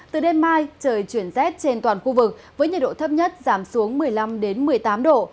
từ đêm mai trời chuyển rét trên toàn khu vực với nhiệt độ thấp nhất giảm xuống một mươi năm một mươi tám độ